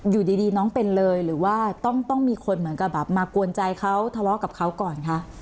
อยู่ดีน้องเป็นเลยหรือว่าต้องมีคนเหมือนกับแบบมากวนใจเขาทะเลาะกับเขาก่อนคะ